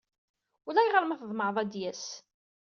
Ulayɣer ma tḍemɛeḍ ad d-yas.